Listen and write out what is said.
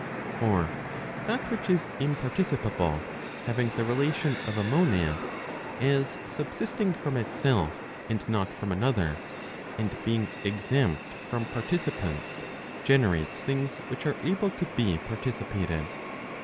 For that which is imparticipable having the relation' of a monad, as subsisting from itself, and not from another, and being exempt from participants, generates things which are able to be participated.